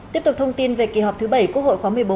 tiếp tục thông tin về kỳ họp thứ bảy quốc hội khóa một mươi bốn